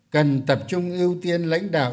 cần tập trung ưu tiên lãnh đạo